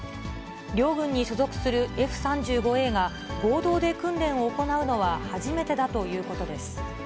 両軍に所属するＦ３５Ａが合同で訓練を行うのは初めてだということです。